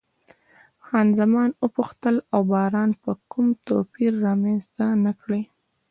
خان زمان وپوښتل، او باران به کوم توپیر رامنځته نه کړي؟